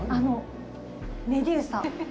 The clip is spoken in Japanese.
メドューサ。